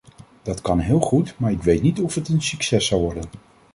Dat kan heel goed maar ik weet niet of het een succes zou worden.